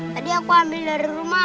tadi aku ambil dari rumah